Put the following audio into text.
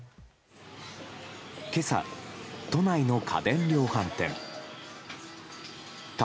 今朝、都内の家電量販店。